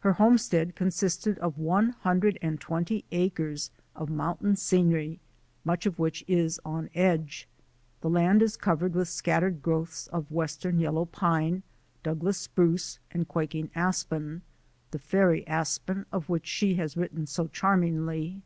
Her homestead consists of one hundred and twenty acres of mountain scenery, much of which is on edge. The land is covered with scattered growths of western yellow pine, Douglass spruce, and quaking aspen — the fairy aspen of which she has written so charmingly.